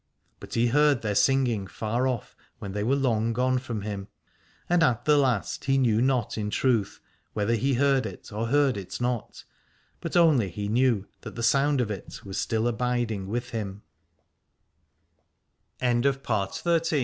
But he heard their singing far off, when they were long gone from him, and at the last he knew not in truth whether he heard it or heard it not, but only he knew that the sound of it was still abidi